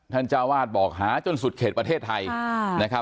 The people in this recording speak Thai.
เจ้าวาดบอกหาจนสุดเขตประเทศไทยนะครับ